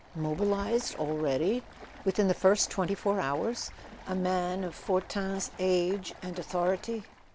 Mobilised—already? Within the first twenty four hours? A man of Fortin's age and authority?